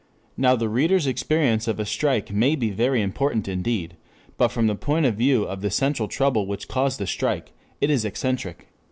Now the reader's experience of a strike may be very important indeed, but from the point of view of the central trouble which caused the strike, it is eccentric.